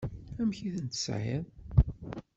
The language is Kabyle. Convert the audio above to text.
Amek i ten-tesɛiḍ?